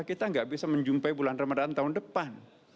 kita nggak bisa menjumpai bulan ramadhan tahun depan